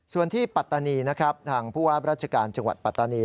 ส่วนที่ปัตตานีนะครับทางผู้ว่าราชการจังหวัดปัตตานี